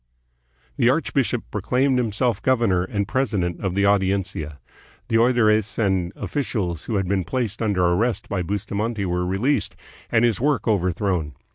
The archbishop proclaimed himself governor and presi dent of the Audiencia. The oidores and officials who had been placed under arrest by Bustamante were released, and his work overthrown.